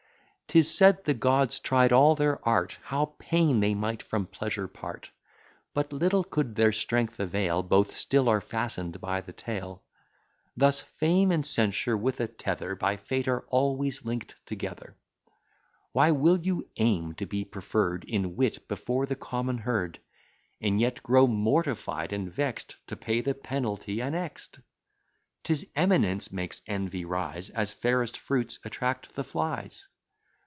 'Tis said, the gods tried all their art, How pain they might from pleasure part: But little could their strength avail; Both still are fasten'd by the tail; Thus fame and censure with a tether By fate are always link'd together. Why will you aim to be preferr'd In wit before the common herd; And yet grow mortified and vex'd, To pay the penalty annex'd? 'Tis eminence makes envy rise; As fairest fruits attract the flies.